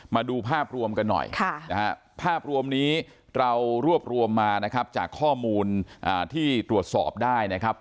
มาดูภาพรวมกันหน่อยภาพรวมนี้เรารวบรวมมานะครับจากข้อมูลที่ตรวจสอบได้นะครับ